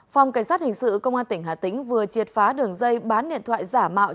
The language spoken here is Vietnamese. phòng cảnh sát hình sự công an tỉnh hà tĩnh vừa triệt phá đường dây bán điện thoại giả mạo